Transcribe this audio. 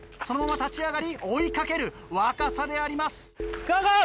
そのまま立ち上がり追い掛ける若さであります！